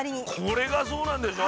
これがそうなんでしょ？